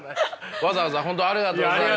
わざわざ本当ありがとうございます。